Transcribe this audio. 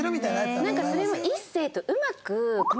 なんかそれも一世とうまく。